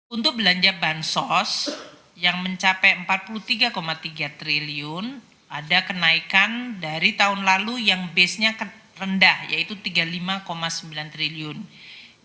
untuk belanja bahan sos yang mencapai rp empat puluh tiga tiga triliun ada kenaikan dari tahun lalu yang base nya rendah yaitu rp tiga puluh lima sembilan triliun